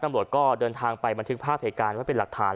ตำรวจก็เดินทางไปบันทึกภาพเหตุการณ์ไว้เป็นหลักฐาน